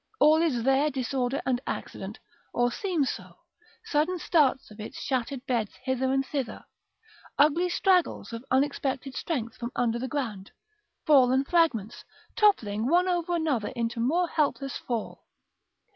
All is there disorder and accident, or seems so; sudden starts of its shattered beds hither and thither; ugly struggles of unexpected strength from under the ground; fallen fragments, toppling one over another into more helpless fall.